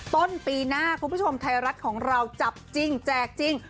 ต้นปีหน้าคุณผู้ชมไทยรัฐของเราจับจริงแจกจริง